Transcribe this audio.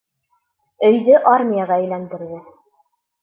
Өйҙө армияға әйләндерҙе.